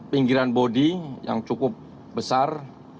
pinggiran bodi yang cukup besar